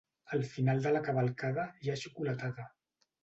Al final de la cavalcada hi ha xocolatada.